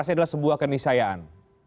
atau itu adalah sebuah kenisayaan